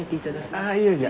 あいやいや。